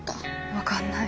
分かんない。